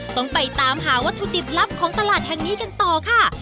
ต้องไปตามหาวัตถุดิบลับของตลาดแห่งนี้กันต่อค่ะ